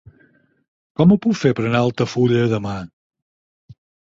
Com ho puc fer per anar a Altafulla demà?